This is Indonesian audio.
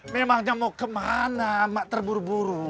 memangnya mau kemana mak terburu buru